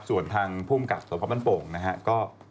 ส่วนทางภูมิกับสำหรับมันโป่งนะครับ